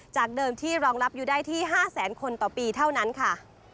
จากเดิมที่รองรับอยู่ได้ที่๕แสนคนต่อปีเท่านั้นค่ะ